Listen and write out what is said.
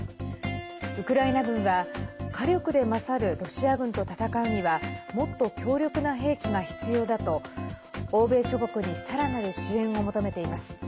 ウクライナ軍は火力で勝るロシア軍と戦うにはもっと強力な兵器が必要だと欧米諸国にさらなる支援を求めています。